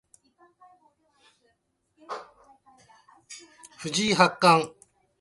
藤井八冠